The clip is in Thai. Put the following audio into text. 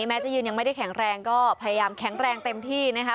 แม้จะยืนยังไม่ได้แข็งแรงก็พยายามแข็งแรงเต็มที่นะคะ